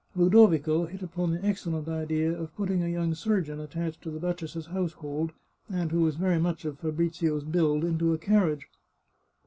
Ludovico hit upon the excellent idea of putting a young surgeon attached to the duchess's household, and who was very much of Fabrizio's build, into a carriage.